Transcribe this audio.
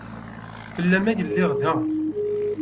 Fell-am ay lliɣ da.